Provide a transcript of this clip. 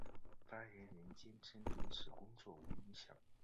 发言人坚称此对工作无影响。